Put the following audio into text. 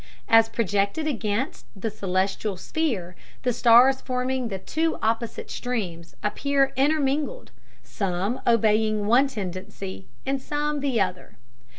As projected against the celestial sphere the stars forming the two opposite streams appear intermingled, some obeying one tendency and some the other.